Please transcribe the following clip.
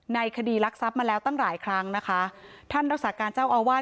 ในคดีรักทรัพย์มาแล้วตั้งหลายครั้งนะคะท่านรักษาการเจ้าอาวาส